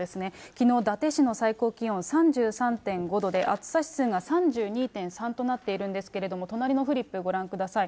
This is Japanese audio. きのう、伊達市の最高気温３３．５度で、暑さ指数が３２．３となっているんですけれども、隣のフリップ、ご覧ください。